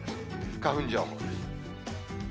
花粉情報です。